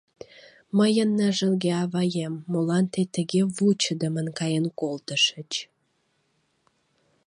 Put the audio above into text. Мыйын ныжылге аваем, молан тый тыге вучыдымын каен колтышыч?